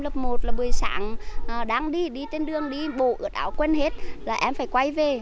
lớp một là buổi sáng đang đi trên đường đi bộ ướt áo quên hết là em phải quay về